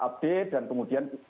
update dan kemudian